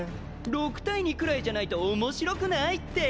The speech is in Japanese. ６対２くらいじゃないと面白くないって。